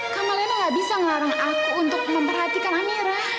kamalena gak bisa ngelarang aku untuk memperhatikan amira